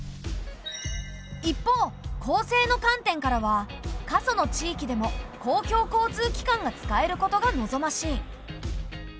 一方公正の観点からは過疎の地域でも公共交通機関が使えることが望ましい。